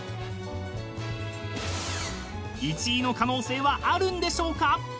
［１位の可能性はあるんでしょうか？］